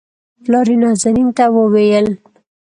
پلار يې نازنين ته وويل